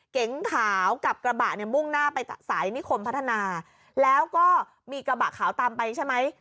เก๋งขาวกับกระบะเนี่ยมุ่งหน้าไปสายนิคมพัฒนาแล้วก็มีกระบะขาวตามไปใช่ไหม